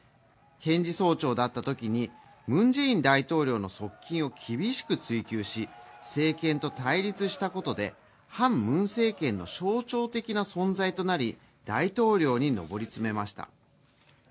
検事総長だったときにムン・ジェイン大統領の側近を厳しく追及し政権と対立したことで反ムン政権の象徴的な存在となり大統領に上り詰めました。